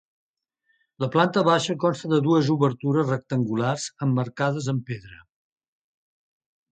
La planta baixa consta de dues obertures rectangulars emmarcades amb pedra.